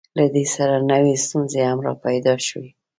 له دې سره نوې ستونزې هم راپیدا شوې.